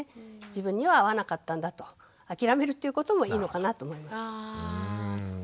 自分には合わなかったんだと諦めるっていうこともいいのかなと思います。